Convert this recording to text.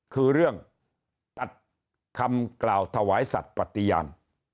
คือเรื่องตัดคำกล่าวถวายสัตว์ปฏิญาณ